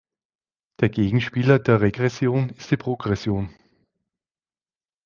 Der Gegenspieler der Regression ist die Progression.